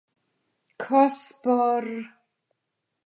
Kas par...